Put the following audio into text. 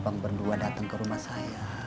abang berdua datang ke rumah saya